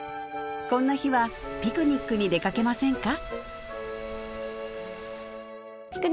こんな日はピクニックに出かけませんか？